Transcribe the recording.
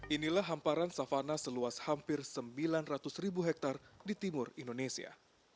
inilah hamparan savana seluas hampir sembilan ratus ribu hektare di timur indonesia